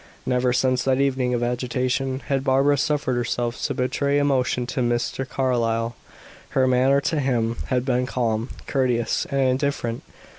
Never, since that evening of agitation, had Barbara suffered herself to betray emotion to Mr. Carlyle; her manner to him had been calm, courteous, and indifferent.